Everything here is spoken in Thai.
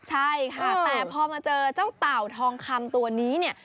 ใช่ค่ะแต่พอมาเจอเจ้าเต่าทองคำตัวนี้เนี่ย